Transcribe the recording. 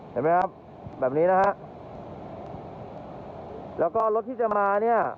เห็นไหมครับแบบนี้นะฮะแล้วก็รถที่จะมาเนี่ย